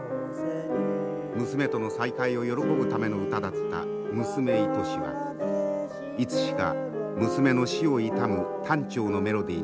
娘との再会を喜ぶための歌だった「娘愛し」はいつしか娘の死を悼む短調のメロディーに変わりました。